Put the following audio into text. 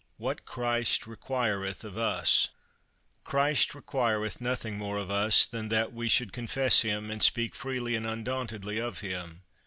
What Christ Requireth of us. Christ requireth nothing more of us, than that we should confess him, and speak freely and undauntedly of him.